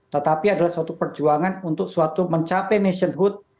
tetapi adalah suatu perjuangan untuk suatu mencapai nationhood